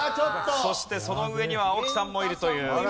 そしてその上には青木さんもいるという。